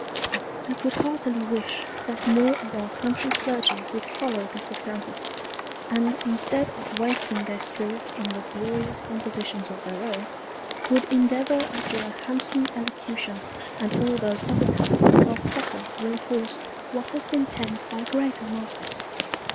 I could heartily wish that more of our Country Clergy would follow this Example; and in stead of wasting their Spirits in laborious Compositions of their own, would endeavour after a handsome Elocution, and all those other Talents that are proper to enforce what has been penned by greater Masters.